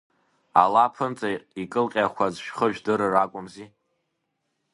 Ала ԥынҵа икылҟьақәаз, шәхы жәдырыр акәымзи.